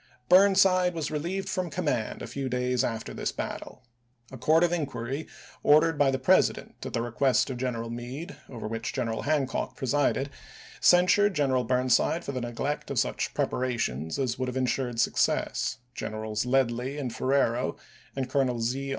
Burnside was relieved from command a few days after this battle. A court of inquiry ordered by the President, at the request of General Meade, over which General Hancock presided, censured General Burnside for the neglect of such preparations as would have insured success, Generals Ledlie and Ferrero and Colonel Z.